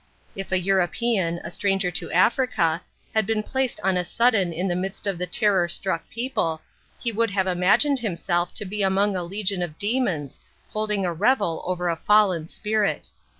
If a European, a stranger to Africa, had been placed on a sudden in the midst of the terror struck people, he would have imagined himself to be among a legion of demons, holding a revel over a fallen spirit."